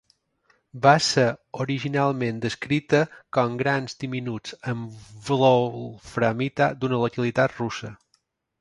Va ser originalment descrita com grans diminuts en wolframita d'una localitat russa.